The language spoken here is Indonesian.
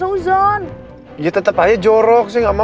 fauzon ya tetap aja jorok sih nggak mau